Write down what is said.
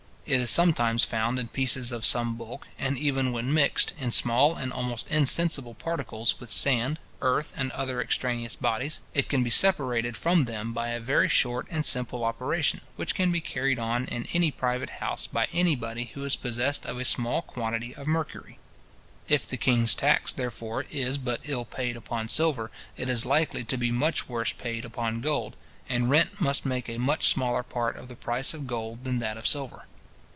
It is sometimes found in pieces of some bulk; and, even when mixed, in small and almost insensible particles, with sand, earth, and other extraneous bodies, it can be separated from them by a very short and simple operation, which can be carried on in any private house by any body who is possessed of a small quantity of mercury. If the king's tax, therefore, is but ill paid upon silver, it is likely to be much worse paid upon gold; and rent must make a much smaller part of the price of gold than that of silver.